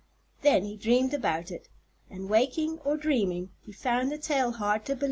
Then he dreamed about it, and waking or dreaming he found the tale hard to believe.